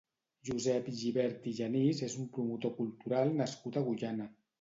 Josep Gibert i Genís és un promotor cultural nascut a Agullana.